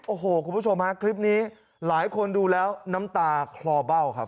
โอ้โหคุณผู้ชมฮะคลิปนี้หลายคนดูแล้วน้ำตาคลอเบ้าครับ